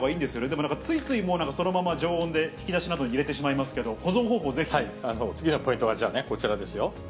でもなんか、ついつい、もうそのまま常温で引き出しなどに入れてしまいますけど、保存方次のポイントは、じゃあね、こちらですよ。